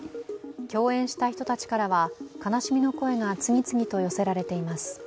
共演した人たちからは悲しみの声が次々と寄せられています。